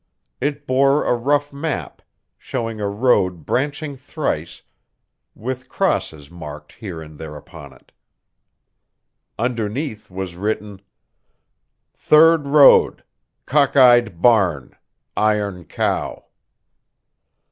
It bore a rough map, showing a road branching thrice, with crosses marked here and there upon it. Underneath was written: "Third road cockeyed barn iron cow."